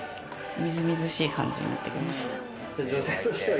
みずみずしい感じになってきました。